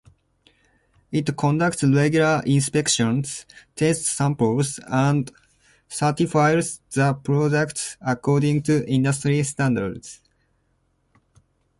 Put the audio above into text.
It conducts regular inspections, tests samples, and certifies the products according to industry standards.